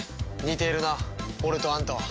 似ているな俺とあんたは。